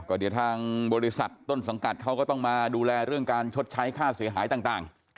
ก็เดี๋ยวทางบริษัทต้นสังกัดเขาก็ต้องมาดูแลเรื่องการชดใช้ค่าเสียหายต่าง